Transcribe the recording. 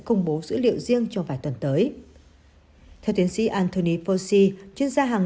công bố dữ liệu riêng trong vài tuần tới theo tiến sĩ anthony fauci chuyên gia hàng